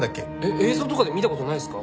映像とかで見た事ないっすか？